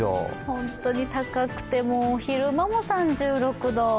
本当に高くて昼間も３６度。